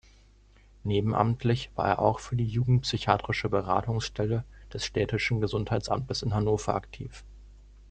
Nebenamtlich war er auch für die Jugend-Psychiatrische Beratungsstelle des Städtischen Gesundheitsamtes in Hannover aktiv.